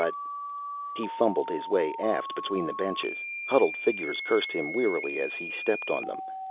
But He fumbled his way aft between the benches. Huddled figures cursed him wearily as he stepped on them.